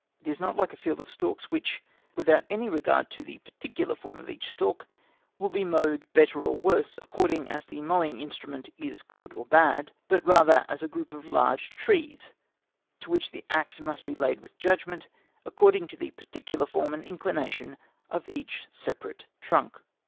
It is not like a field of stalks, which, without any regard to the particular form of each stalk, will be mowed better or worse, according as the mowing instrument is good or bad, but rather as a group of large trees, to which the axe must be laid with judgment, according to the particular form and inclination of each separate trunk.